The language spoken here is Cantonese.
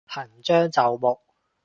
行將就木